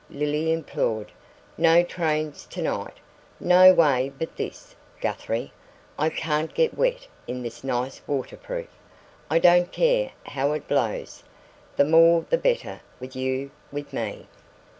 Lily implored. "No trains tonight! No way but this, Guthrie. I can't get wet in this nice waterproof. I don't care how it blows the more the better with you with me."